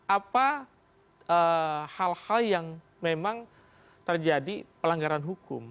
apa hal hal yang memang terjadi pelanggaran hukum